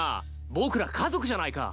僕ら家族じゃないか。